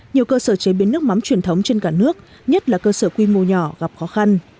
nhiều cơ sở chế biến nước mắm truyền thống trên cả nước nhất là cơ sở quy mô nhỏ gặp khó khăn